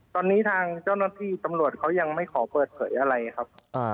ตอนนี้ทางเจ้าหน้าที่ตำรวจเขายังไม่ขอเปิดเผยอะไรครับ